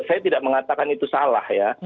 saya tidak mengatakan itu salah ya